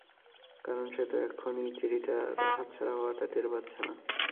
কারণ সে তো এখনই চিঠিটার হাতছাড়া হওয়াটা টের পাচ্ছে না।